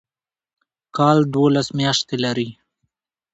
کال دوولس میاشتې لري